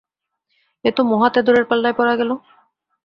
এ তো মহা ত্যাঁদড়ের পাল্লায় পড়া গেল!